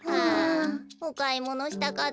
おかいものしたかったわね。